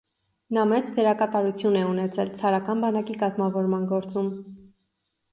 Նա մեծ դերակատարություն է ունեցել ցարական բանակի կազմավորման գործում։